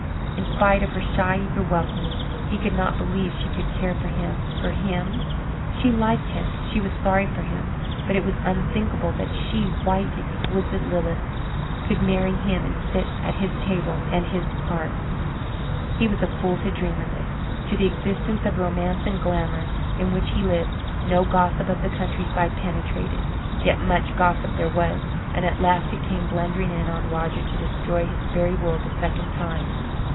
In spite of her shy, eager welcomes he could not believe she could care for him for him. She liked him, she was sorry for him, but it was unthinkable that she, white, exquisite Lilith, could marry him and sit at his table and his hearth. He was a fool to dream of it. To the existence of romance and glamour in which he lived, no gossip of the countryside penetrated. Yet much gossip there was, and at last it came blundering in on Roger to destroy his fairy world a second time.